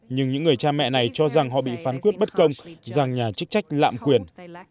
nhưng những người cha mẹ này cho rằng họ bị phán quyết bất công rằng nhà chức trách lạm quyền